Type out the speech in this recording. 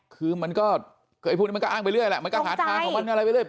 คือมันก็พวกนี้มันก็อ้างไปเรื่อยแหละมันก็หาทางของมันอะไรไปเรื่อย